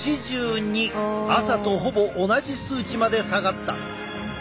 朝とほぼ同じ数値まで下がった。